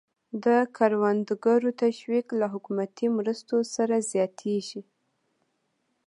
د کروندګرو تشویق له حکومتي مرستو سره زیاتېږي.